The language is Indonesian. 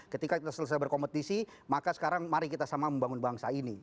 ketika kita selesai berkompetisi maka sekarang mari kita sama membangun bangsa ini